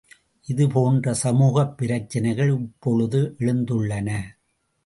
இதுபோன்ற சமூகப் பிரச்சனைகள் இப்பொழுது எழுந்துள்ளன.